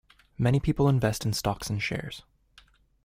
Many people invest in stocks and shares